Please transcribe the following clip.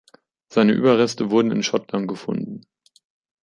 Seine Überreste wurden in Schottland gefunden.